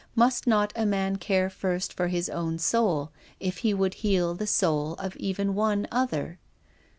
Must not a man care first for his own soul if he would heal the soul of even one other?